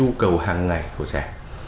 tức là cái nhu cầu hàng ngày của trẻ